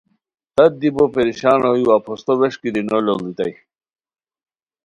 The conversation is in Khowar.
تت دی بو پریشان ہوئے وا پھوستو ویݰکی دی نو لوڑتائے